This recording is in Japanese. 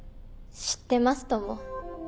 知ってますとも。